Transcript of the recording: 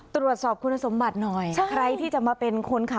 ตรวจสอบคุณสมบัติหน่อยใครที่จะมาเป็นคนขับ